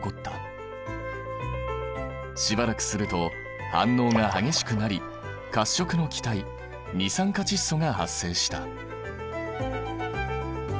しばらくすると反応が激しくなり褐色の気体二酸化窒素が発生した。